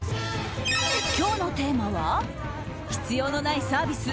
今日のテーマは必要のないサービス